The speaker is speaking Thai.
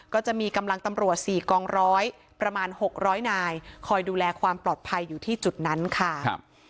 ก็จะมีกำลังตำรวจ๔กองร้อยประมาณ๖๐๐นายคอยดูแลความปลอดภัยอยู่ที่จุดนั้นค่ะ